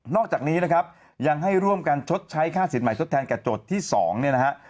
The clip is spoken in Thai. อกจากนี้นะครับยังให้ร่วมกันชดใช้ค่าสินใหม่ทดแทนแก่โจทย์ที่๒เนี่ยนะฮะ